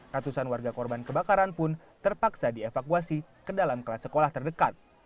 ratusan warga korban kebakaran pun terpaksa dievakuasi ke dalam kelas sekolah terdekat